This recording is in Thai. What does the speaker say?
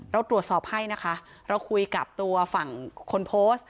เราตรวจสอบให้นะคะเราคุยกับตัวฝั่งคนโพสต์